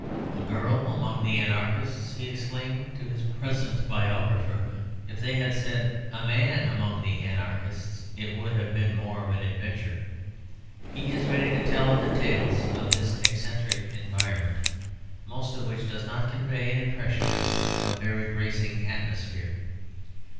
"A girl among the anarchists!" he exclaimed to his present biographer; "if they had said 'A man among the anarchists' it would have been more of an adventure." He is ready to tell other tales of this eccentric environment, most of which does not convey an impression of a very bracing atmosphere.